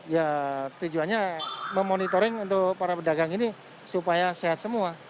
ya tujuannya memonitoring untuk para pedagang ini supaya sehat semua